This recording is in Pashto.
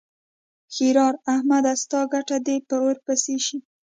ښېرار: احمده! ستا ګټه دې په اور پسې شي.